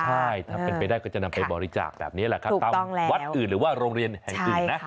ใช่ถ้าเป็นไปได้ก็จะนำไปบริจาคแบบนี้แหละครับตามวัดอื่นหรือว่าโรงเรียนแห่งอื่นนะ